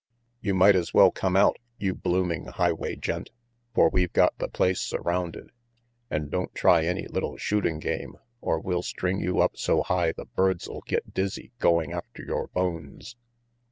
"You might as well come out, you blooming highway gent, for we've got the place surrounded. And don't try any little shooting game, or we'll RANGY PETE 167 string you up so high the birds'll get dizzy goin' after yore bones."